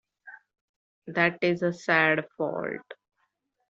That is a sad fault.